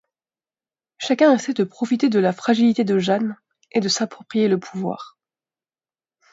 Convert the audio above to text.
Chacun essaie de profiter de la fragilité de Jeanne et de s'approprier le pouvoir.